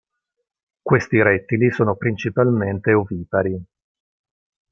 Questi rettili sono principalmente ovipari.